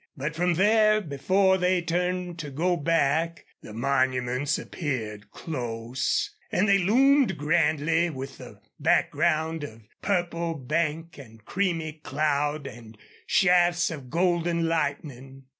But from there, before they turned to go back, the monuments appeared close, and they loomed grandly with the background of purple bank and creamy cloud and shafts of golden lightning.